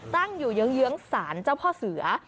ตั้งอยู่เยื้องศาลเจ้าพ่อเสือ